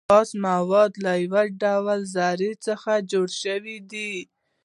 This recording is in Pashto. خالص مواد له يو ډول ذرو څخه جوړ سوي دي .